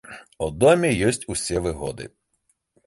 У доме ёсць усе выгоды.